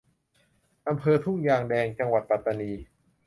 อำเภอทุ่งยางแดง จังหวัดปัตตานี